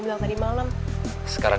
bala bala bala